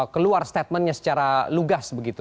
keluar statementnya secara lugas begitu